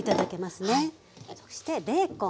そしてベーコン。